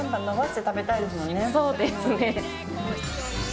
そうですね。